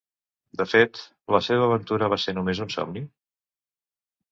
De fet, la seva aventura va ser només un somni?